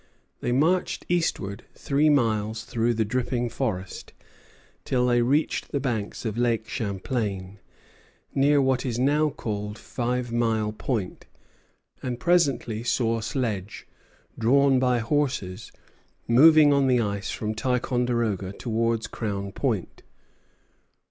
They marched eastward three miles through the dripping forest, till they reached the banks of Lake Champlain, near what is now called Five Mile Point, and presently saw a sledge, drawn by horses, moving on the ice from Ticonderoga towards Crown Point.